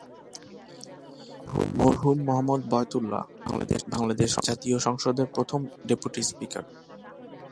মরহুম মো:বয়তুল্লাহ, বাংলাদেশ জাতীয় সংসদের প্রথম ডেপুটি স্পীকার